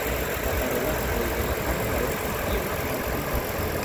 La parolantoj de la angla estis iom malpli multaj.